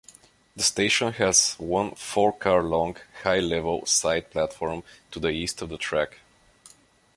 This station has one four-car-long high-level side platform to the east of the track.